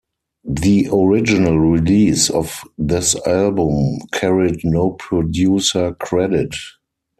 The original release of this album carried no producer credit.